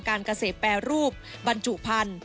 การเกษตรแปรรูปบรรจุพันธุ